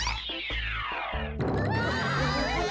うわ！